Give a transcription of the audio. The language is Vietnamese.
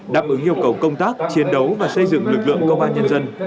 đáp ứng yêu cầu công tác chiến đấu và xây dựng lực lượng công an nhân dân